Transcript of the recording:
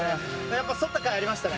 やっぱそったかいありましたね。